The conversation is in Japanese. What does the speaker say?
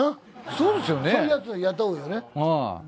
そういうヤツを雇うよね。